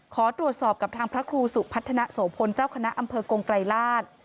ขอตรวจสอบกับทางพระครูสุพัฒนาโสพลเจ้าคณะอำเภอกงไกรราช